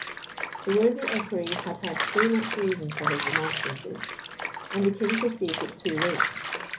The worthy Equerry had had too much reason for his remonstrances, and the King perceived it too late.